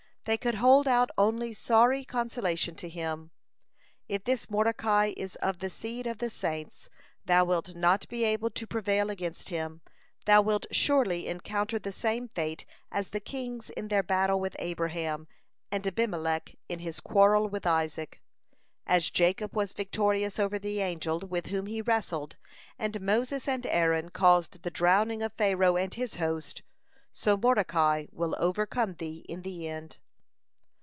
They could hold out only sorry consolation to him: "If this Mordecai is of the seed of the saints, thou wilt not be able to prevail against him. Thou wilt surely encounter the same fate as the kings in their battle with Abraham, and Abimelech in his quarrel with Isaac. As Jacob was victorious over the angel with whom he wrestled, and Moses and Aaron caused the drowning of Pharaoh and his host, so Mordecai will overcome thee in the end."